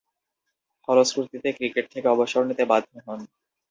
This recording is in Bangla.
ফলশ্রুতিতে ক্রিকেট থেকে অবসর নিতে বাধ্য হন।